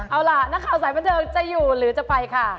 เอาล่ะนักข่าวสายบันเทิงจะอยู่หรือจะไปค่ะ